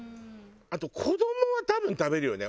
あと子どもは多分食べるよね。